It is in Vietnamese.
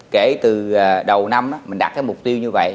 kể từ đầu năm mình đạt cái mục tiêu như vậy